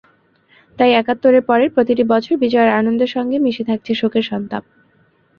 তাই একাত্তরের পরের প্রতিটি বছর বিজয়ের আনন্দের সঙ্গে মিশে থাকছে শোকের সন্তাপ।